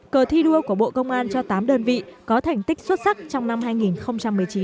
cờ thi đua của bộ công an cho tám đơn vị có thành tích xuất sắc trong năm hai nghìn một mươi chín